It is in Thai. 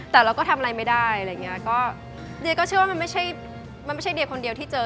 แต่เราก็ทำอะไรไม่ได้อะไรอย่างเงี้ยก็เดียก็เชื่อว่ามันไม่ใช่มันไม่ใช่เดียคนเดียวที่เจอ